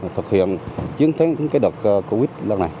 thực hiện chiến thắng đợt covid